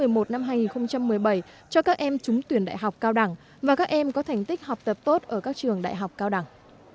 đợt ba sẽ được trao bổ sung vào tháng một mươi một năm hai nghìn một mươi bảy cho các em trúng tuyển đại học cao đẳng và các em có thành tích học tập tốt ở các trường đại học cao đẳng